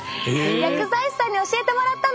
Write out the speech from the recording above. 薬剤師さんに教えてもらったの！